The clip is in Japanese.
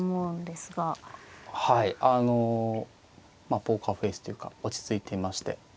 はいあのまあポーカーフェースっていうか落ち着いていまして。